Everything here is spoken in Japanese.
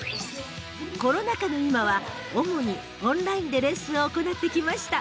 コロナ禍の今は主にオンラインでレッスンを行ってきました。